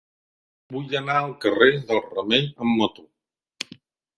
Vull anar al carrer del Remei amb moto.